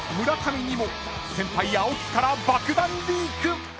村上にも先輩青木から爆弾リーク］